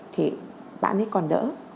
thì bạn ấy còn đỡ